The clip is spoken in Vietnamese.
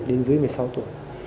đến dưới một mươi sáu tuổi